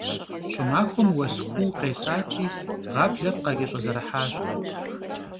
ЩӀымахуэм уэс куу къесати, гъаблэр къакӀэщӀэзэрыхьащ.